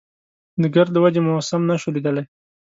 د ګرد له وجې مو سم نه شو ليدلی.